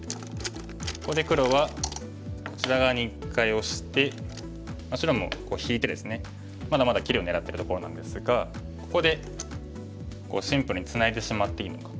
ここで黒はこちら側に一回オシて白も引いてですねまだまだ切りを狙ってるところなんですがここでシンプルにツナいでしまっていいのか。